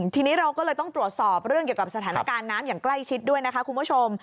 ทีนี้เราก็เลยต้องตรวจสอบเรื่องเกี่ยวกับสถานการณ์น้ำอย่างใกล้ชิดด้วยนะคะคุณผู้ชม